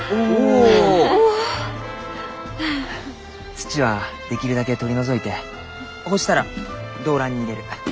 土はできるだけ取り除いてほうしたら胴乱に入れる。